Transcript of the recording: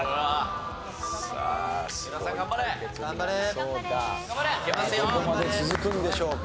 どこまで続くんでしょうか？